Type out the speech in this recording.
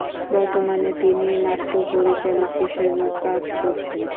বর্তমানে তিনি নাট্য পরিচালক হিসেবেও কাজ করছেন।